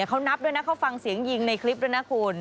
เขานับด้วยนะเขาฟังเสียงยิงในคลิปด้วยนะคุณ